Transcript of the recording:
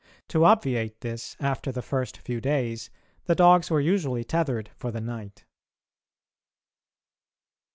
To obviate this, after the first few days, the dogs were usually tethered for the night.